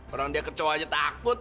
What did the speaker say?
orang dia kecoa aja takut